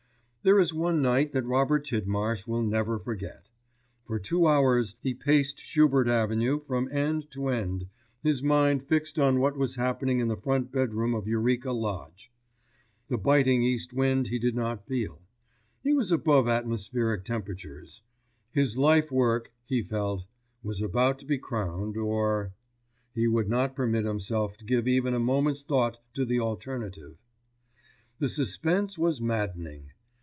There is one night that Robert Tidmarsh will never forget. For two hours he paced Schubert Avenue from end to end, his mind fixed on what was happening in the front bedroom of Eureka Lodge. The biting East wind he did not feel. He was above atmospheric temperatures. His life's work, he felt, was about to be crowned or——he would not permit himself to give even a moment's thought to the alternative. The suspense was maddening.